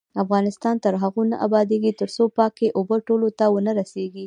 افغانستان تر هغو نه ابادیږي، ترڅو پاکې اوبه ټولو ته ونه رسیږي.